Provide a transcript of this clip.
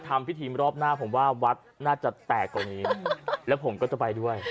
ทำพิธีรอบหน้าผมว่าวัดน่าจะแตกกว่านี้แล้วผมก็จะไปด้วย